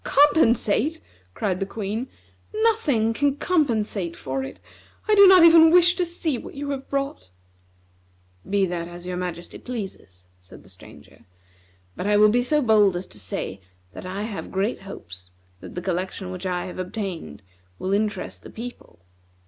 "Compensate!" cried the Queen. "Nothing can compensate for it; I do not even wish to see what you have brought." "Be that as your Majesty pleases," said the Stranger; "but I will be so bold as to say that I have great hopes that the collection which I have obtained will interest the people.